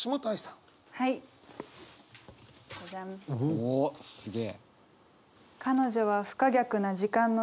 おおすげえ。